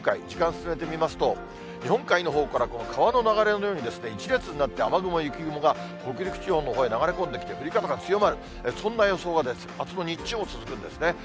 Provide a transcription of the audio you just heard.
時間進めてみますと、日本海のほうからこの川の流れのように、一列になって、雨雲、雪雲が北陸地方のほうへ流れ込んできて、降り方が強まる、そんな予想があすの日中も続くんですね。